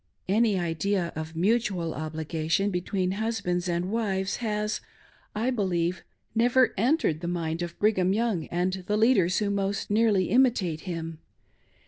Any idea of mutual obligation between husbands and wives has, I believe, never entered the mind of Brigham Young and the leaders who most nearly imitate him.